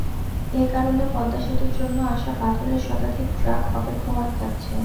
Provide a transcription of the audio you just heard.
এ কারণে পদ্মা সেতুর জন্য আসা পাথরের শতাধিক ট্রাক অপেক্ষমাণ থাকছে।